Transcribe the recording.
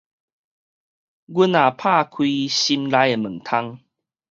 阮若打開心內的門窗